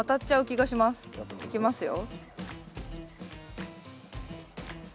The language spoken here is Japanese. いきますよ。